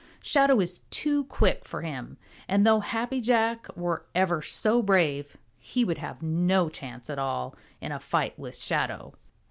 Shadow is too quick for him, and though Happy Jack were ever so brave, he would have no chance at all in a fight with Shadow.